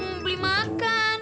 mau beli makan